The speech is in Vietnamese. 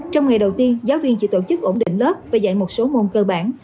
trong ngày đầu tiên giáo viên chỉ tổ chức ổn định lớp và dạy một số môn cơ bản